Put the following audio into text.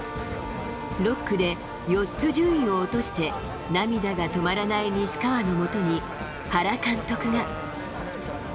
６区で４つ順位を落として、涙が止まらない西川のもとに、原監督が。